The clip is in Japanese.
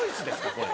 これ。